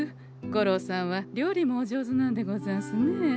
五郎さんは料理もお上手なんでござんすね。